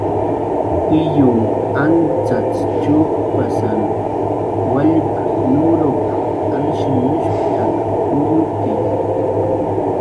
"Tiyunh ancxacx chukpasan wallp"" nurup"" alshinushp""taki uyuki."